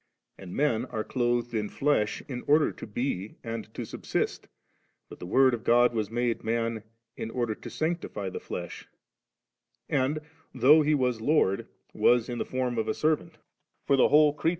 And men are clothed in flesh in order to be and to subsist; but the Word of God was made man in order to sanctify the flesh, and, though He was Lord, was m the form of a servant; for the whole creature is the s Vid.